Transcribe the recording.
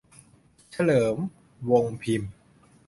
เฉลิม วงค์พิมพ์